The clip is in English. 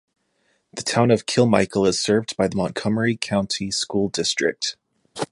The Town of Kilmichael is served by the Montgomery County School District.